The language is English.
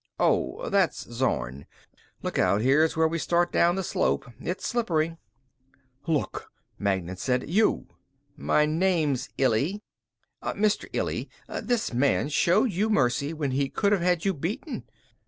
"Oh, that's Zorn. Look out, here's where we start down the slope. It's slippery." "Look," Magnan said. "You." "My name's Illy." "Mr. Illy, this man showed you mercy when he could have had you beaten."